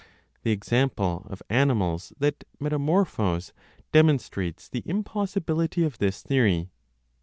The example of animals that metamorphose demonstrates the impossibility of this theory.